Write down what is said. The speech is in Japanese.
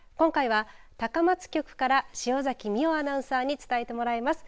今回は高松局から塩崎実央アナウンサーに伝えてもらいます。